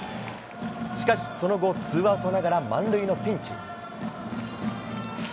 しかし、その後ツーアウトながら満塁のピンチ。